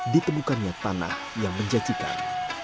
ditemukannya tanah yang menjajikan